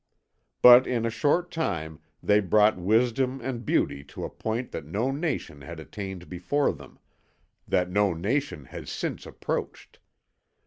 But in a short time they brought wisdom and beauty to a point that no nation had attained before them, that no nation has since approached.